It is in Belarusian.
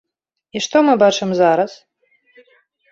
І што мы бачым зараз?